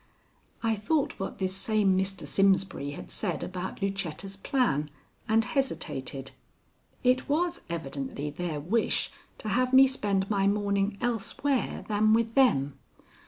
I thought what this same Mr. Simsbury had said about Lucetta's plan, and hesitated. It was evidently their wish to have me spend my morning elsewhere than with them.